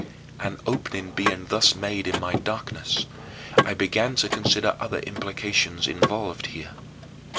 10. An opening being thus made in my darkness, I began to consider other implications involved here.